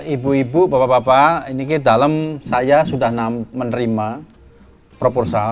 ibu ibu bapak bapak ini ke dalam saya sudah menerima proposal